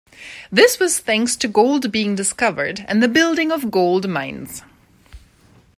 This was thanks to gold being discovered and the building of gold mines.